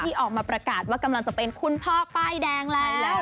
ออกมาประกาศว่ากำลังจะเป็นคุณพ่อป้ายแดงเลย